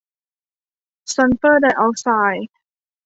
ซัลเฟอร์ไดออกไซด์